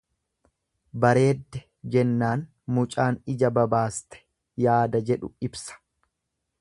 Bareedde jennaan mucaan ija babaaste yaada jedhu ibsa.